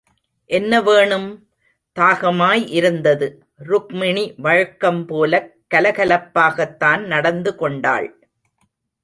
என்ன வேணும்! தாகமாய் இருந்தது. ருக்மிணி வழக்கம் போலக் கலகலப்பாகத்தான் நடந்து கொண்டாள்.